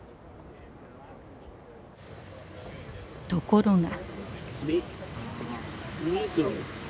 ところが。